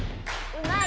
うまい！